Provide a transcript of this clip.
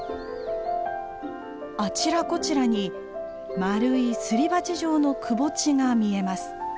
あちらこちらに丸いすり鉢状のくぼ地が見えます。